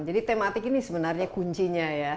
tematik ini sebenarnya kuncinya ya